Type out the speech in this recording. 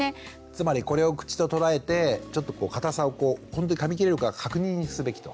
つまりこれを口と捉えてちょっと硬さをこうほんとにかみ切れるか確認すべきと。